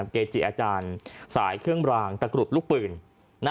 เกจิอาจารย์สายเครื่องรางตะกรุดลูกปืน